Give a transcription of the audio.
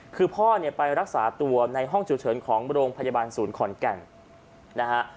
คือพ่อเนี่ยไปรักษาตัวในห้องฉุกเฉินของโรงพยาบาลศูนย์ขอนแก่นนะฮะ